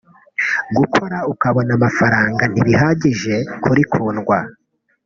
Gukora ukabona amafaranga ntibihagije kuri Kundwa